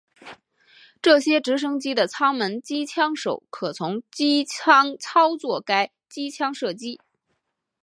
这些直升机的舱门机枪手可从机舱操作该机枪射击。